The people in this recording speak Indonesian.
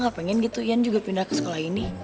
ya lo gak pengen gitu yan juga pindah ke sekolah ini